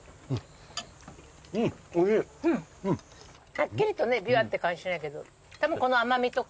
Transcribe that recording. はっきりとびわって感じしないけどたぶんこの甘味とか。